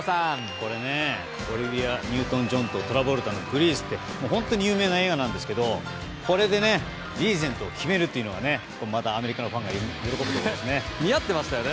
これねジョン・トラボルタの「グリース」で本当に有名な映画なんですけどリーゼントを決めるというのはまたアメリカのファンが喜ぶところですね。